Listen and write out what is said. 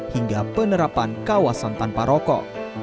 hingga penerapan kawasan tanpa rokok